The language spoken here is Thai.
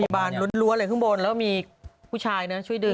พยาบาลล้วนเหลือขึ้นบนแล้วมีผู้ชายช่วยดึง